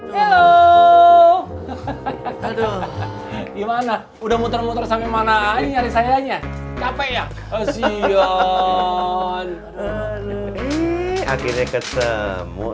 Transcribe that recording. susah sekali cari kamu cik